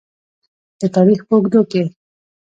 د تاریخ په اوږدو کې.